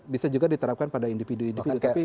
bisa juga diterapkan pada individu individu